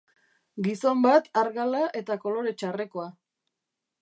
Gizon bat argala eta kolore txarrekoa.